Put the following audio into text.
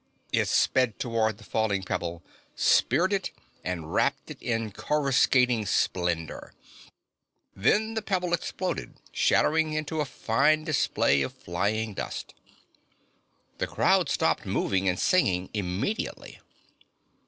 It sped toward the falling pebble, speared it and wrapped it in coruscating splendor. Then the pebble exploded, scattering into a fine display of flying dust. The crowd stopped moving and singing immediately.